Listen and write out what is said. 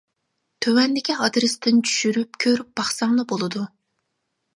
تۆۋەندىكى ئادرېستىن چۈشۈرۈپ كۆرۈپ باقساڭلا بولىدۇ.